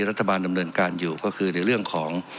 รัฐบาลดำเนินการอยู่ก็คือในเรื่องของ